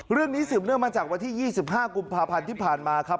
เรื่องนี้สืบเนื่องมาจากวันที่๒๕กุมภาพันธ์ที่ผ่านมาครับ